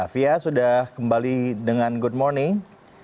fia sudah kembali dengan good morning